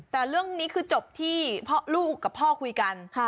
แต่เรื่องนี้คือจบที่ลูกกับพ่อคุยกัน